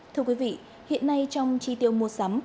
thưa quý vị hiện nay trong chi tiêu mua sắm